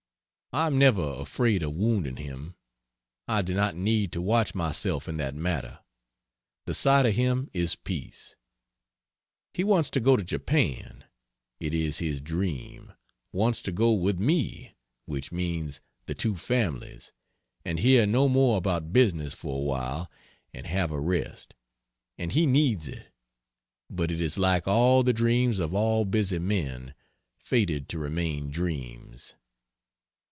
I am never afraid of wounding him; I do not need to watch myself in that matter. The sight of him is peace. He wants to go to Japan it is his dream; wants to go with me which means, the two families and hear no more about business for awhile, and have a rest. And he needs it. But it is like all the dreams of all busy men fated to remain dreams.